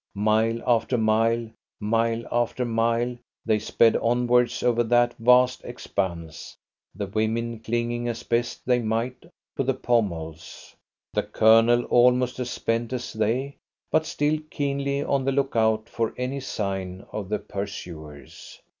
Mile after mile, mile after mile, they sped onwards over that vast expanse, the women clinging as best they might to the pommels, the Colonel almost as spent as they, but still keenly on the look out for any sign of the pursuers.